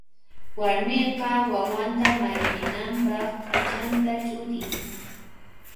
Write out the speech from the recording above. Warmiqa wawanta mayllinanpaq p'achanta ch'utin.